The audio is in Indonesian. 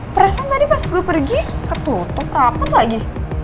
perasaan tadi pas gue pergi ketutup rapet lagi